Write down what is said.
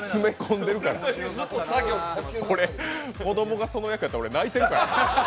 子供がその役やったら俺、泣いてるで。